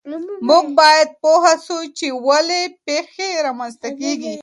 موږ باید پوه سو چې ولې پیښې رامنځته کیږي.